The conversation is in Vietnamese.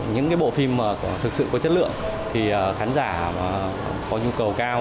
những bộ phim thực sự có chất lượng khán giả có nhu cầu cao